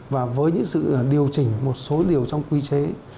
và với những sự điều chỉnh một số điều trong quy chế